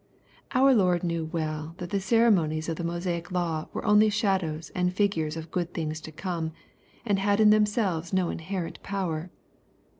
Our Lord knew well that the ceremonies of the Mosaic law were only shadows and figures of good things to come, and had in themselves no inherent power.